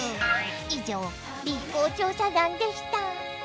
以上Ｂ公調査団でした。